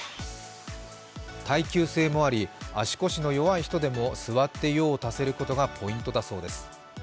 耐久性もあり、足腰の弱い人でも座って用を足せることがポイントだそうです。